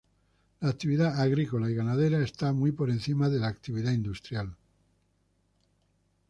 La actividad agrícola y ganadera está muy por encima de la actividad industrial.